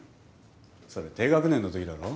それ低学年の時だろ？